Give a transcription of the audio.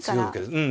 うん。